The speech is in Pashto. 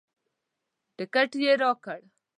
ټکټ یې راکړ.